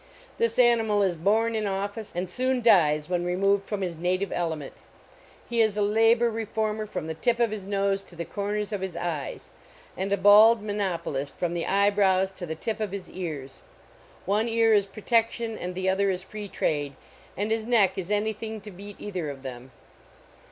This animal is born in office, and soon dies when removed from his native element : he is a labor reformer from the tip of his nose to the corners of his eyes, and a bald monop olist from the eyebrows to the tip of his ears; one ear is protection and the other is free trade ; and his neck is anything to beat either of them.